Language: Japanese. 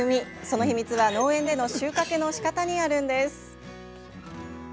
その秘密は農園での収穫のしかたにあるんです。